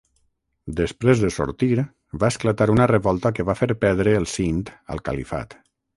Després de sortir va esclatar una revolta que va fer perdre el Sind al califat.